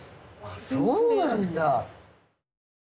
そうなんだ。